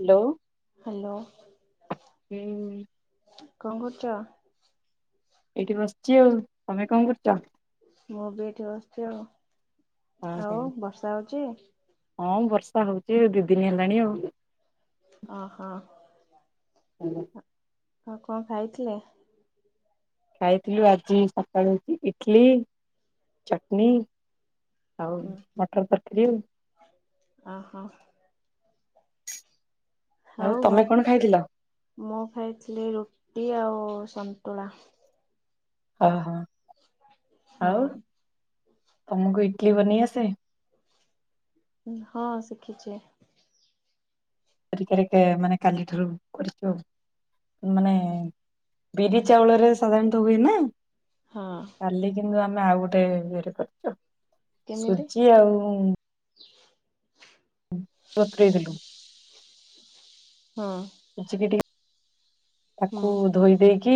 Hello hello ହୁଁ କଣ କରୁଛ? ଏଇଠି ବସିଛି ଆଉ ତମେ କଣ କରୁଛ? ମୁଁ ବି ଏଇଠି ବସିଛି ଆଉ ହଁ ହଁ। ଆଉ ବର୍ଷା ହଉଛି? ହଁ ବର୍ଷା ହଉଛି ଦି ଦିନ ହେଲାଣି ଆଉ। ଓହୋ। ହୁଁ। ଆଉ କଣ ଖାଇଥିଲେ? ଖାଇଥିଲୁ ଆଜି ସକାଳୁ ଇଟଲି ଚଟଣୀ ଆଉ ମଟର୍ ତରକାରି। ଓହୋ। ଆଉ ହଉ ଆ ତମେ କଣ ଖାଇଥିଲ? ମୁଁ ଖାଇଥିଲି ରୁଟି ଆଉ ସନ୍ତୁଳା। ହଁ ହଁ ଆଉ ହୁଁ ତମକୁ ଇଡଲି ବନେଇ ଆସେ? ହଁ ଶିଖିଛି। ପରିକ ମାନେ କାଲିଠାରୁ କରିଛ ଆଉ ମାନେ ବିରି ଚାଉଳରେ ସାଧାରଣତଃ ହୁଏ ନା? ହଁ। କାଲି କିନ୍ତୁ ଆମେ ଆଉ ଗୋଟେ ଇଏରେ କରିଛୁ କେମିତି? ସୁଜି ଆଉ ବତରେଇଦେଲୁ ହଁ। ଯିବି ଟିକେ ତାକୁ ହୁଁ ଧୋଇ ଦେଇ କି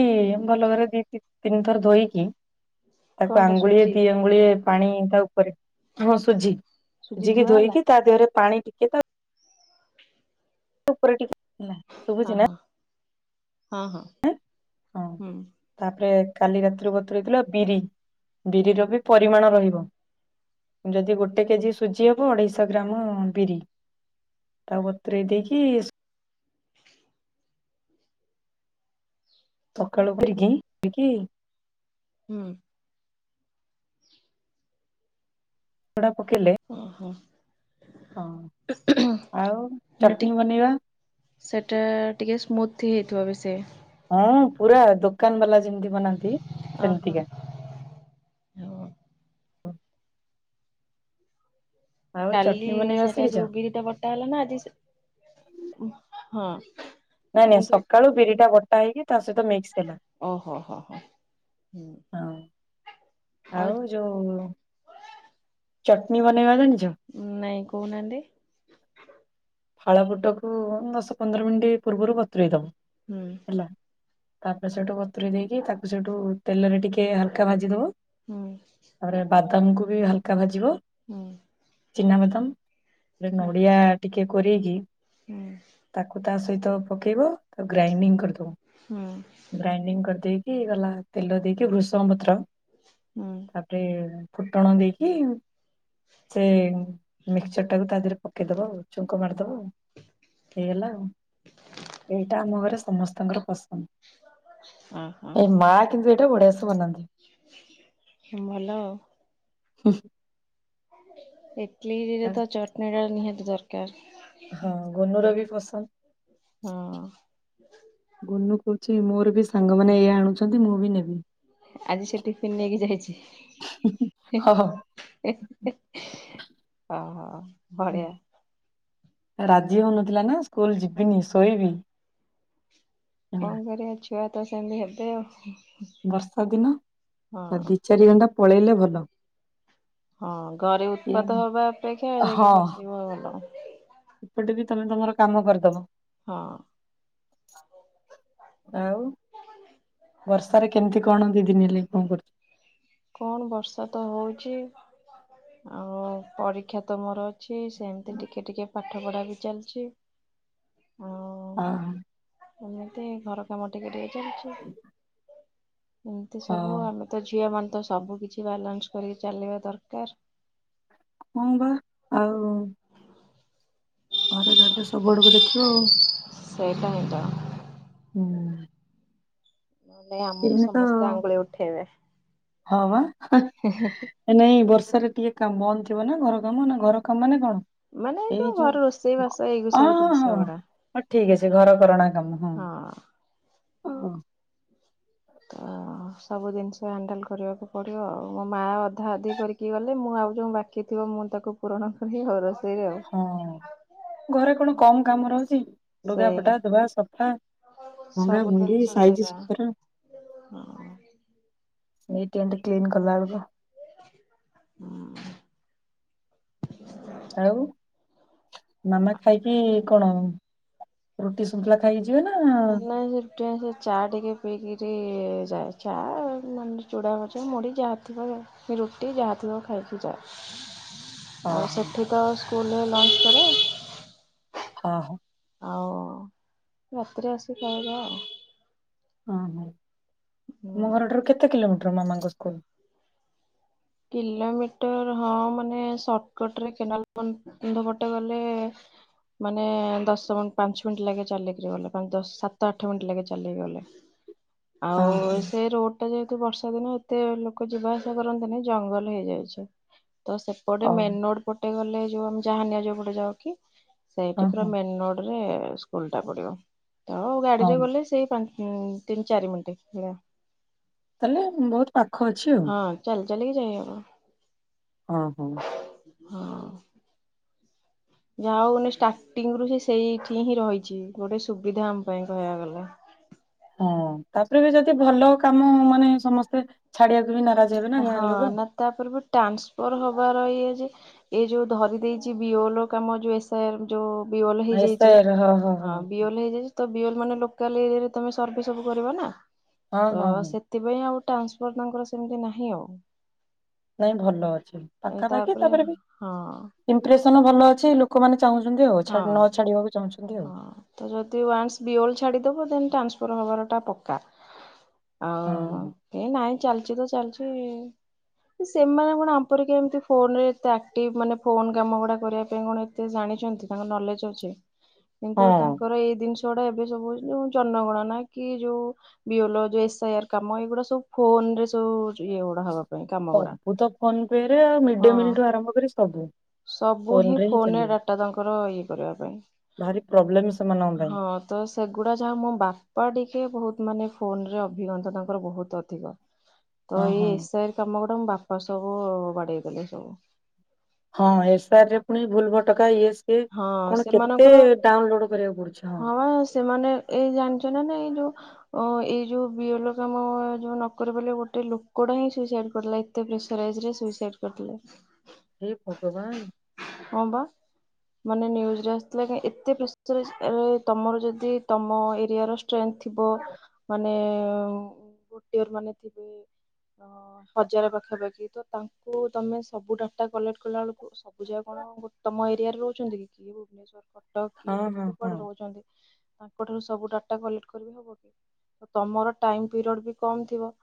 ଭଲ ଘରେ ଦି ତିନି ଥର ଧୋଇକି ତାକୁ କଣଟା ଆଙ୍ଗୁଳିଏ ସୁଜି ଦି ଆଙ୍ଗୁଳିଏ ପାଣି ତା ଉପରେ ହଁ ସୁଝି ସୁଜି ସୁଝିକି ଧୁଆ ହେଲା? ଧୋଇକି ତା ଦେହରେ ପାଣି ଟିକେ ତା ଉପରେ ଟିକେ ହେଲା ହଁ ଶୁଭୁଛି ନା ହଁ ହଁ ହଁ ହଁ ହୁଁ। ତାପରେ କାଲି ରାତିରୁ ବତୁରଇଥିଲ ବିରି ବିରିର ବି ପରିମାଣ ରହିବ ଯଦି ଗୋଟେ କେଜି ସୁଜି ହବ ଅଢେଇ ଶହ ଗ୍ରାମ ବିରି ତାକୁ ବତୁରେଇ ଦେଇକି ତାପରେ ସକାଳୁ କରିକି କରିକି ହୁଁ। କପଡ଼ା ପକେଇଲେ ଓହୋ। ହଁ ଆଉ ଚଟଣି ବନେଇବା ସେଇଟା ଟିକିଏ ସ୍ମୁଥି ହେଇଥିବ ବି ସେ ହଁ ପୁରା ଦୋକାନ ବାଲା ଯେମିତି ବନାନ୍ତି ଓ ହୋ। ସେମିତିକା ଆଉ କାଲି ଚଟଣି ବନେଇବା ସେଟା ଶିଖିଛ? ଯୋଉ ବିରିଟା ବଟା ହେଲା ନା ଆଜି ସେ ହଁ। ନାଇଁ ନାଇଁ ମୁଁ କହି ସକାଳୁ ବିରିଟା ବଟା ହେଇକି ତା ସହିତ ମିକ୍ସ ହେଲା ଓହୋ ହୋ ହୋ। ହଉ ଆଉ ଯୋଉଁ ଚଟନୀ ବନେଇବା ଜାଣିଛ? ନାଇଁ କହୁନାହାନ୍ତି। ଫାଳ ଫୁଟକୁ ଦଶ ପନ୍ଦର ମିନିଟ୍ ପୂର୍ବରୁ ବତୁରେଇ ଦବ ହୁଁ। ହେଲା ତାପରେ ସେଇଠୁ ବତୁରୀ ଦେଇକି ତାକୁ ସେଇଠୁ ତେଲରେ ଟିକେ ହାଲକା ଭାଜିଦବ ହୁଁ। ତାପରେ ବାଦାମକୁ ବି ହାଲକା ଭାଜିବ ହୁଁ। ଚିନା ବାଦାମ ହୁଁ ନଡିଆ ଟିକେ କୋରେଇକି ହୁଁ। ତାକୁ ତା ସହିତ ପକେଇବ ତାକୁ ଗ୍ରାଇଣ୍ଡିଙ୍ଗ କରିଦବ ହୁଁ। ଗ୍ରାଇଣ୍ଡିଙ୍ଗ କରିଦେଇକି ଗଲା ତେଲ ଦେଇକି ଭୃଷଙ୍ଗ ପତ୍ର ହୁଁ। ତାପରେ ଫୁଟଣ ଦେଇକି ସେ ମିକ୍ସଚର ଟାକୁ ତା ଦେହରେ ପକେଇଦବ ଆଉ ଙ୍କ ମାରିଦବ ହେଇଗଲା ଆଉ ଏଇଟା ଆମ ଘରେ ସ ମସ୍ତଙ୍କର ଓହୋ ପସନ୍ଦ ଏଇ ମା କିନ୍ତୁ ଏଇଟା ବଢିଆସେ ବନାନ୍ତି। ଭଲ ଆଉ। ହୁଁ। ଇଟଲି ରେ ତ ଚଟଣୀଟା ନିହାତି ଦରକାର। ହଁ ଗୁନୁର ବି ପସନ୍ଦ। ହଁ। ଗୁନୁ କହୁଛି ମୋର ବି ସାଙ୍ଗମାନେ ଏଇଆ ଆଣୁଛନ୍ତି ମୁଁ ବି ନେବି। ଆଜି ସେ ଟିଫିନ ନେଇକି ହଁ ହଁ ଯାଇଛି। ଇ ଇ ହଁ ହଁ। ରାଜି ହଉନଥିଲା ନା ସ୍କୁଲ ଯିବିନି ଶୋଇବି। ହେଲା। କଣ କରିବା ଛୁଆ ତ ସେମତି ହେବେ ଆଉ। ବର୍ଷା ଦିନ ହଁ ଦି ଚାରି ଘଣ୍ଟା ପଳେଇଲେ ଭଲ। ହଁ ଘରେ ଉତ୍ପାତ ହବା ଅପେକ୍ଷା ଯାଇକି ହଁ ବସିବା ଭଲ। ଏପଟେ ବି ତମେ ତମର କାମ କରିଦବ। ହଁ। ଆଉ ବର୍ଷାରେ କେମିତି କଣ ଦି ଦିନ ହେଲାଣି କଣ କରୁଛ? କଣ ବର୍ଷା ତ ହଉଛି ଆଉ ପରୀକ୍ଷା ତ ମୋର ଅଛି ସେମତି ଟିକେ ଟିକେ ପାଠ ପଢା ବି ଚାଲିଛି ଆଉ। ହଁ। ଏମିତି ଘର କାମ ଟିକେ ଟିକେ ଚାଲିଛି ଏମିତି ହଁ ସବୁ ଆମ ତ ଝିଅ ମାନେ ତ ସବୁ କିଛି ବାଲାନ୍ସ କରିକି ଚାଲିବା ଦରକାର। ହଁ ବା ଆଉ। ଘରେ ରହିଲେ ସବୁ ଆଡକୁ ଦେଖିବ ଆଉ ସେଇଟା ହିଁ ତ ହୁଁ। [unintelligible] ଏଇନେ ତ ସମସ୍ତେ ଆଙ୍ଗୁଳି ଉଠେଇବେ ହ ବା ନାଇଁ ବର୍ଷାରେ ଟିକେ କାମ ବନ୍ଦ ଥିବ ନା ଘର କାମ ଘର କାମ ମାନେ କଣ ମାନେ ଯୋଉ ଘରେ ରୋଷେଇ ବାସ ଏଇ ହଁ ସବୁ ହଁ ହଁ ଜିନିଷ ଗୁଡା। ହଁ ଠିକ ଅଛି ଘର କରଣା କାମ ହଁ ହ। ହଁ। ସବୁ ଜିନିଷ ହ୍ୟାଣ୍ଡଲ କରିବାକୁ ପଡିବ ଆଉ ମୋ ମାଆ ଅଧା ଅଧି କରିକି ଗଲେ ମୁଁ ଆଉ ଯଉ ବାକି ଥିବ ମୁଁ ତାକୁ ପୂରଣ କରିି ହଉ ରୋଷେଇରେ ଆଉ। ହଁ ଘରେ କଣ କମ କାମ ରହୁଛି? ସେଇଆ ଲୁଗାପଟା ଧୁଆ ସଫା ଭଙ୍ଗା ସବୁ ଭଙ୍ଗି ଜିନିଷ ସାଇଜ ସେଇଆ ସୁତର ହଁ। ନିଟ୍ ଏଣ୍ଡ କ୍ଲିୀନ୍ କଲା ବେଳକୁ ହୁଁ। ଆଉ ମାମା ଖାଇକି କଣ ରୁଟି ସୁନ୍ତଳା ଖାଇକି ଯିବେ ନା ଥି ସେ ଚା ଟିକିଏ ପିଇକିରି ଯାଏ ଚା ମାନେ ଚୂଡ଼ା ଭଜା ମୁଡ଼ି ଯାହା ଥିବ ଯାଏ ରୁଟି ଯାହା ଥିବ ଖାଇକି ଯାଏ। ଆଉ ଓହୋ ସେଠି ତ ସ୍କୁଲ ରେ ଲଞ୍ଚ କରେ। ହଁ ହଁ। ଆଉ ରାତିରେ ଆସିକି ଖାଇବା ଆଉ। ହଁ ହଁ ହୁଁ। ତମ ଘରଠାରୁ କେତେ କିଲୋମିଟର ମାମାଙ୍କ ସ୍କୁଲ? କିଲୋମିଟର ହଁ ମାନେ ସଟକଟ ରେ କେନାଲ କନ୍ଧ ପଟେ ଗଲେ ମାନେ ଦଶ ମ ପାଞ୍ଚ ମିନିଟ୍ ଲାଗେ ଚାଲିକିରି ଗଲେ ଦଶ ସାତ ଆଠ ମିନିଟ୍ ଲାଗେ ଚାଲି ଗଲେ ହଁ ଆଉ ହଁ। ସେ ରୋଡ ଟା ଯେହେତୁ ବର୍ଷା ଦିନ ଏତେ ଲୋକ ଯିବା ଆସିବା କରନ୍ତିନି। ଜଙ୍ଗଲ ହେଇଯାଇଛି ତ ସେପଟେ ଅ ମେନ ହଁ, ରୋଡ ପ ଟେ ଗଲେ ଯୋଉ ଆମେ ଜାହାନି ଯଉ ପଟେ ଯାଉ କି ସେଇଠି ପୁରା ହଁ, ମେନ ରୋଡ ସ୍କୁଲ ଟା ପଡିବ ତ ଗାଡିରେ ହଁ, ଗଲେ ସେଇ ପା ହୁଁ ତିନ ଚାରି ମିିନିଟ୍। ତାହେଲେ ମୁଁ ବହୁତ ପାଖ ଅଛି ଆଉ। ହଁ ଚାଲି ଚାଲିିକି ଯାଇ ହବ। ଓଁ ହଁ। ହଁ। ଯାହା ହଉ ଷ୍ଟାର୍ଟିଙ୍ଗ ରୁ ସେଇଠି ହିଁ ରହିଛି ଗୋଟେ ସୁବିଧା ଆମ ପାଇଁ କହିବାକୁ ଗଲେ। ହଁ ତାପରେ ବି ଯଦି ଭଲ କାମ ମାନେ ସମସ୍ତେ ଛାଡିବାକୁ ବି ନାରାଜ। ହେବେ ନା ଗାଁ ହଁ ଲୋକ। ନା ତାପରେ ଟ୍ରାନ୍ସଫର୍ ହବାର ଇଏ ଯେ ଏ ଯୋଉ ଧରି ଦେଇଛି ବିଓ ଲ କାମ ଯଉ ଯୋଉ ବିୱଲ ହେଇଯାଇଛି ହଁ ବିଓଲ ହେଇଯାଇଛି ତ ବିୟଲ ମାନେ ଲୋକାଲ ଏରିଆରେ ତମେ ସର୍ଭି ସବୁ କର ନା ହଁ, ତ ହଁ, ହଁ ସେ ସେଥିପାଇଁ ଆଉ ଟ୍ରାନ୍ସଫର୍ ତାଙ୍କର ସେମିତି ନାହିଁ ଆଉ। ନାଇଁ ଭଲ ଅଛି ପାଖା ପାଖି ତାପରେ ବି ହଁ ଇମ୍ପ୍ରେସନ ଭଲ ଅଛି ଲୋକମାନେ ଚାହୁଁଛନ୍ତି ଆଉ ହଁ ନ ଛାଡିବାକୁ ଚାହୁଁଛନ୍ତି ଆଉ। ହଁ ତ ଯଦି ୱାନ୍ସ ବିଓଲ୍ ଛାଡ଼ିଦବ ଦେନ୍ ଟ୍ରାନ୍ସଫର୍ ହେବାରଟା ପକ୍କା। ଆଉ ହଁ, ଏ ନାଇଁ ଚାଲିଛି ତ ଚାଲିଛି। ସେମାନେ କଣ ଆମ ପରିକା ଏମିତି ଫୋନ ରେ ଏତେ ଆକ୍ଟିଭ ମାନେ ଫୋନ କାମ ଗୁଡା କରିବା ପାଇଁ କଣ ଜାଣିଛନ୍ତି ତାଙ୍କର ନଲେଜ ଅଛି ହଁ, କିନ୍ତୁ ତାଙ୍କର ଏଇ ଜିନିଷ ଗୁଡ଼ା ଏବେ ସବୁ ଯୋଉ ଜନଗଣନା କି ଯୋଉ ବି ଏ ଆଇ ଆର କାମ ଏଇଗୁଡା ସବୁ ଫୋନ ରେ ସବୁ ଇଏ ଗୁଡା ହବା ପାଇଁ କାମ ଗୁଡା। ସବୁ ତ ଫୋନ ପେ ରେ ଆଉ ମିଡ ଡେ ମିଲ୍ ହଁ ଠୁ ଆରମ୍ଭ କରି ସବୁ। ସବୁ ଫୋନ ହିଁ ରେ ଫୋନରେ ଚାଲିବ। ଡାଟା ତାଙ୍କର ଇଏ କରିବା ପାଇଁ ଭାରି ପ୍ରୋବ୍ଲେମ ସେମାନଙ୍କ ପାଇଁ। ହଁ ହଁ ତ ସେଗୁଡ଼ା ଯାହା ମୋ ବାପା ଟିକେ ବହୁତ ମାନେ ଫୋନେ ଅଭିଜ୍ଞତା ତାଙ୍କର ବହୁତ ଅଧିକ। ତ ହଁ, ଏଇ ହଁ। ଏସ୍ଆଇର କାମ ଗୁଡା ମୁ ବାପ ସବୁ ବାଡେଇ ଦେଲି ସବୁ। ହଁ ଏସ୍ ଆର ରେ ପୁଣି ଭୁଲ ଭଟକା ଇଏ ସେ ଏ ହଁ କଣ କେତେ ସେମାନଙ୍କର ଡାଉନଲୋଡ କରିବାକୁ ପଡୁଛି ହଁ। ହଁ ସେମାନେ ଏଇ ଜାଣିଛ ନା ନାଇଁ ଏଇ ଯୋଉ ଓ ଏଇ ଯୋଉ ବିୟଲ କାମ, ଯୋଉ ନ କରିପାରିବା ଲାଗି ଗୋଟେ ଲୋକଟା ହିଁ ସୁଇସାଇଡ କରିଲା। ଏ ଏତେ ପ୍ରେସରାଇଜରେ ସୁଇସାଇଡ୍ କରିଦେଲା। ହେ ଭଗବାନ। ହଁ ବା। ମାନେ ନ୍ୟୁଜରେ ଆସିଥିଲା କି, ଏତେ ପ୍ରେସରାଇଜ ତମର ଯଦି ତମ ଏରିଆର ଥିବ, ମାନେ [unintelligible] ମାନେ ଥିବେ। ଅ ହଜାରେ ପାଖାପାଖି, ତ ତାଙ୍କୁ ତମେ ସବୁ ଡାଟା କଲେକ୍ଟ୍ କଲା ବେଳକୁ ସବୁ ଯାକ କଣ ଗୋ ତମ ଏରିଆରେ ରହୁ ଛନ୍ତି କି? କିଏ ଭୁବନେଶ୍ଵର, କଟକ, କିଏ ହଁ ହଁ କେତେ ହଁ। କୁଆଡେ ରହୁଛନ୍ତି। ତାଙ୍କ ଠାରୁ ସବୁ ଡାଟା କଲେକ୍ଟ୍ କରିହବକି, ତମର ଟାଇମ୍ ପିରିୟଡ ବି କମ୍ ଥିବ।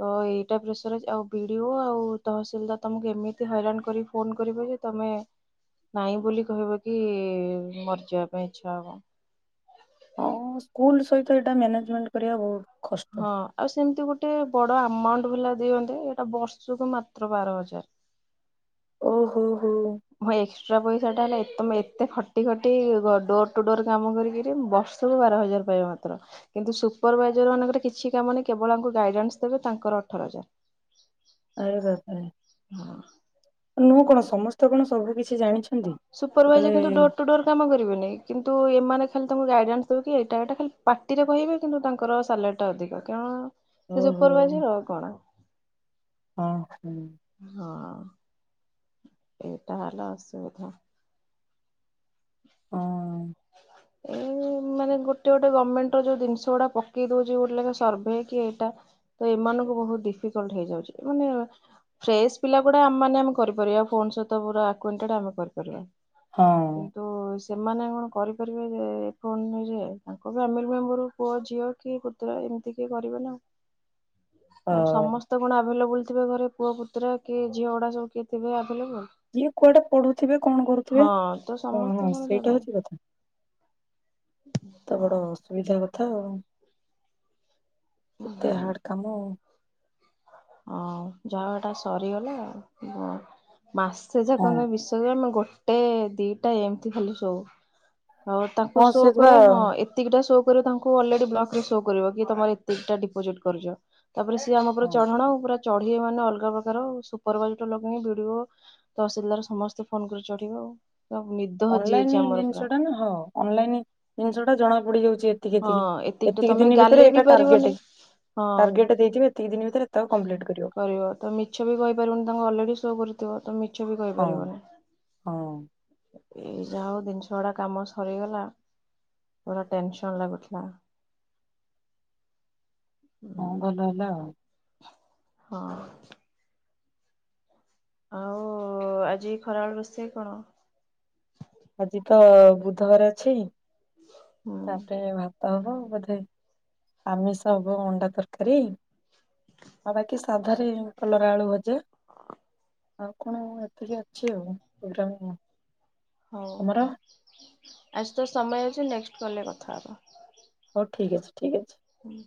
ତ ଏଇଟା ପ୍ରେସରାଇଜ, ଆଉ ବିଡିଓ ଆଉ ତହସିଲଦାର ତମକୁ ଏମିତି ହଇରାଣ କରି ଫୋନ କରିବେ ଯେ ତମେ ନାଇଁ ବୋଲି କହିବ କି, ମରିଯିବା ପାଇଁ ଇଚ୍ଛା ହବ। ହଁ, ସ୍କୁଲ ସହିତ ଏଇଟା ମ୍ୟାନେଜମେଣ୍ଟ କରିବା ବହୁତ କଷ୍ଟ। ହଁ, ଆଉ ସେମିତି ଗୋଟେ ବଡ ଆମାଉଣ୍ଟ ଭଲା ଦିଅନ୍ତେ, ଏଇଟା ବର୍ଷକୁ ମାତ୍ର ବାର ହଜାର। ଓ ହୋ, ହୋ। ହଁ ଏକ୍ସଟ୍ରା ପଇସା ଟା ହେଲା, ତମେ ଏତେ ଖ ଟି ଖଟି ଡୋର ଟୁ ଡୋର୍ କାମ କରିକରି, ବର୍ଷକୁ ବାର ହଜାର ପାଇବା ମାତ୍ର। କିନ୍ତୁ ସୁପରଭାଇଜର ମାନଙ୍କର କିଛି କାମ ନାହିଁ। କେବଳ ୟାଙ୍କୁ ଗାଇଡେନ୍ସ ଦେବେ, ତାଙ୍କର ଅଠର ହଜାର। [unintelligible] ଆରେ ବାପାରେ। ହଁ। ମୁଁ କଣ, ସମସ୍ତେ କଣ ସବୁ କିିଛି ଜାଣିଛ ସୁପରଭାଇଜର କିନ୍ତୁ ଡୋର ଟୁ ଡୋର କାମ କରିବେନି, କିନ୍ତୁ ଏମାନେ ଖାଲି ତାଙ୍କୁ ଗାଇଡ଼ାନ୍ସ ଦେବେକି ଏଇଟା ଏଇଟା ଖାଲି ପାଟିରେ କହିବେ। କିନ୍ତୁ ତାଙ୍କର ସାଲା ରିଟା ଅଧିକ, କରଣ ସେ ଓହୋ ସୁପରଭାଇଜର ଆଉ କଣ। ହଁ ହୁଁ। ହଁ। ଏଇଟା ହେଲା ଅସୁବିଧା। ହଁ। ଏ ମାନେ ଗୋଟେ ଗୋଟେ ଗମେଣ୍ଟ୍ ର ଯୋଉ ଜିନିଷ ଗୁଡା ପକେଇ ଦଉଛି ଗୋଟେ ଲେଖା ସର୍ଭେ, କି ଏଇଟା ତ ଏମାନଙ୍କୁ ବହୁତ ଡିଫିକଲ୍ଟ୍ ହେଇଯାଉଛି। ଏମାନେ ଫ୍ରେଶ୍ ପିଲା ଗୁଡା ଆମେ ମାନେ ଆମେ କରିପାରିବା। ଫୋନ୍ ସହିତ ପୁରା ଆକୁଏଣ୍ଟଟେଡ୍ ଆମେ କରିପାରିବା। ହଁ। ତ ସେମାନେ କଣ କରିପାରିବେ ଯେ ଏ ଫୋନରେ ଯେ? ତାଙ୍କ ଫ୍ୟାମିଲି ମେମ୍ବର ପୁଅ ଝିଅ କି ପୁତୁରା, ଏମତି କିଏ କରିବ ନା ଅ ଆଉ। ଆଉ ସମସ୍ତେ କଣ ଆଭେଲେବୁଲ ଥିବେ ଘରେ? ପୁଅ ପୁତୁରା କି ଝିଅ ଗୁଡା ସବୁ କିଏ ଥିବେ ଆଭେଲେବୁଲ? କିଏ କୁଆଡେ ପଢୁଥିବେ କଣ କରୁଥିବେ? ହଁ ତ ହଁ ହଁ ସମସ୍ତେ କଣ ସେଇଟା ଦେବେ ହଉଛି କେତେ ହଁ ବଡ ଅସୁବିଧା କଥା ଆଉ। ଏତେ ହଁ ହାଡ଼ କାମ। ହଁ, ଯାହାହଉ ଏଟା ସରିଗଲା ଆଉ। ହଁ। ମାସେ ହଁ [inaudible] ଗୋଟେ, ଦିଟା ଏମିତି ଖାଲି ସୋଉ। ହଉ ତାଙ୍କୁ ହଁ ଶୋ ସେ ବା କରେ, ହଁ ଏ ଏତିକଟା ଶୋ କରିବ ତାଙ୍କୁ ଅଲରେଡି ବ୍ଲକ ରେ ସୋ କରିବ କି ତମର ଏତିକିଟା ଡିପୋଜିଟ୍ କରିଛ। ତାପରେ ସେ ଆମ ଉପରେ ହଁ। ଚଢଣ ଆଉ, ପୁରା ଚଢିବ ମାନେ ଅଲଗା ପ୍ରକାର ଆଉ। ସୁପରଭାଇଜଟୁ ଲଗେଇକି ବିଡ଼ିଓ ତସିଲାଦାର ସମସ୍ତେ ଫୋନ କରି ଚଢିବେ ଆଉ, ତ ନିଦ ଅନଲାଇନ ହଜିଯାଇଛି ଆମର ଜିନିଷ ପୁରା। ଟା ନା ହଁ, ଅନଲାଇନ ଜିନିଷ ଟା ଜଣା ପଡିଯାଉଛି। ଏ ଏତିକି, ହଁ ଏତିକି, ଏତିକିଟା ଏତିକି ତମେ ଦିନ ଭିତରେ ଗାଲେଇ ବି ଏଇଟା ପାରିବନି। ଟାର୍ଗେଟ। ହଁ ଟାର୍ଗେଟ ଦେଇଥିବେ ଏତିକ ଦିନି ଭିତରେ ଏତକ କପ୍ଲିଟ୍ କରିବ। ତ ମିଛ ବି କହିପାରିବନି ତାଙ୍କୁ ଅଲରେଡି ଶୋ କରୁଥିବ ତ ମିଛ ବି ହଁ। କହିପାରିବନି। ହଁ ଏଇ ଯା ହଉ ଜିନିଷ ଗୁଡା କାମ ସରିଗଲା ପୁରା ଟେନସ ଥଣ୍ଡା ପଡିଥିଲା। ହଁ ଭଲ ହେଲା ଆଉ। ହଁ। ଆଉ ଆଜି ଖରାବେଳ ରୋଷେଇ କଣ? ଆଜି ତ ବୁଧବାର ଅଛି। ହୁଁ। ତାପରେ ଭାତ ହବ ବୋଧେ, ଆମିଷ ହବ ଅଣ୍ଡା ତରକାରୀ। ଆଉ ବାକି ସାଧାରେ କଲରା ଆଳୁ ଭଜା ଆଉ କଣ ଏତିକି ଅଛି ଆଉ ପ୍ରୋଗ୍ରାମ। ହଉ ତମର ଆଜି ତ ସମୟ ଅଛି ନେକ୍ସଟ କଲରେ କଥା ହେବା। ହଉ ଠିକ ଅଛି ଠିକ୍ ଅଛି। ହୁଁ।